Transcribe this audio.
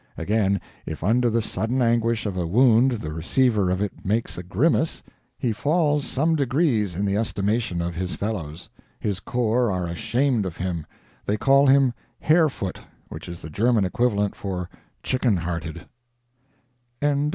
Again: if under the sudden anguish of a wound the receiver of it makes a grimace, he falls some degrees in the estimation of his fellows; his corps are ashamed of him: they call him "hare foot," which is the German equivalent for chicken hearted.